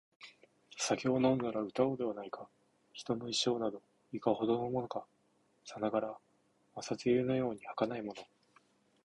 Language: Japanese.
酒を飲んだら歌おうではないか／人の一生など、いかほどのものか／さながら朝露のように儚いもの